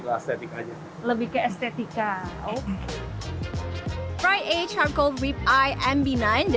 gak berasanya kok lebih ke estetika aja